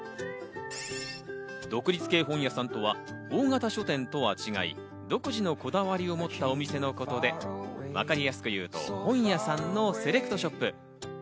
独立系本屋さんとは、大型書店とは違い、独自のこだわりを持ったお店のことで、わかりやすく言うと本屋さんのセレクトショップ。